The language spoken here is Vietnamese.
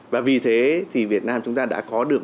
và vì thế thì việt nam chúng ta đã có được